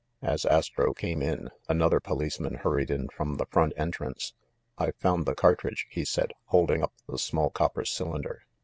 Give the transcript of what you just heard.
As Astro came up, another policeman hurried in from the front entrance. "I've found the cartridge," he said, holding up the small copper cylinder.